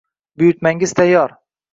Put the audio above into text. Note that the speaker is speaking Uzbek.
Buyurtmangiz tayyor